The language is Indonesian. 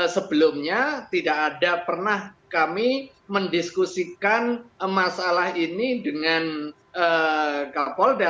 sebelumnya tidak ada pernah kami mendiskusikan masalah ini dengan kapolda